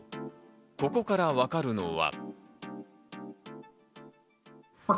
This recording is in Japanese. ここからわかるのは。